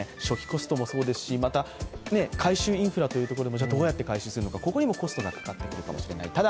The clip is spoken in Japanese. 初期コストもそうですし回収インフラというのもどうやって回収するのか、ここにもコストがかかってくるかもしれない。